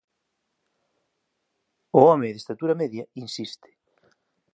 O home de estatura media insiste.